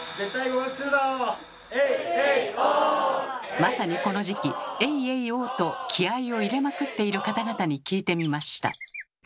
まさにこの時期「エイエイオー」と気合いを入れまくっている方々に聞いてみました。